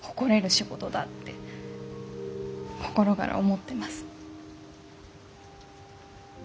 仕事だって心がら思ってます。